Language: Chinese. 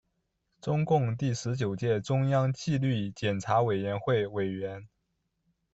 中共第十九届中央纪律检查委员会委员。